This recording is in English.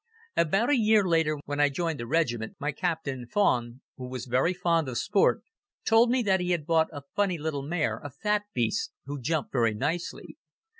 About a year later, when I joined the regiment, my Captain, von Tr , who was very fond of sport, told me that he had bought a funny little mare, a fat beast, who jumped very nicely.